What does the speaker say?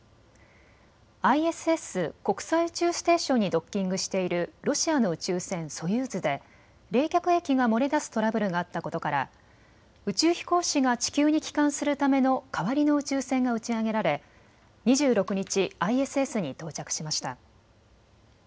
ＩＳＳ・国際宇宙ステーションにドッキングしているロシアの宇宙船ソユーズで冷却液が漏れ出すトラブルがあったことから宇宙飛行士が地球に帰還するための代わりの宇宙船が打ち上げられ２６日、ＩＳＳに到着しました。